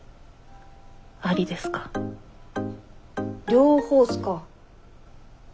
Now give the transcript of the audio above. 両方っすか。